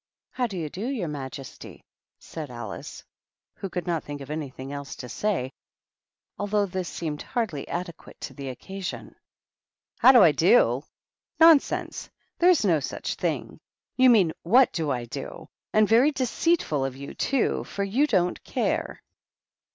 "How do you do, your majesty?" said Alice, who could not think of anything else to say, although this seemed hardly adequate to the occasion. " How do I do? Nonsense I There is no such thing I You mean, what do I do? And very deceitful of you, too, for you don't care."